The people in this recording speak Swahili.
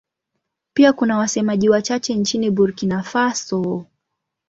Pia kuna wasemaji wachache nchini Burkina Faso.